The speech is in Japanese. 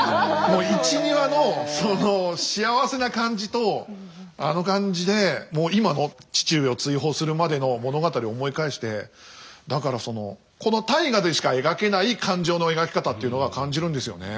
もう１２話の幸せな感じとあの感じで今の父上を追放するまでの物語を思い返してだからそのこの「大河」でしか描けない感情の描き方っていうのは感じるんですよね。